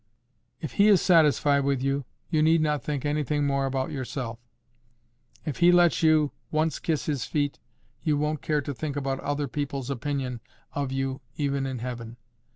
"If He is satisfied with you, you need not think anything more about yourself. If He lets you once kiss His feet, you won't care to think about other people's opinion of you even in heaven.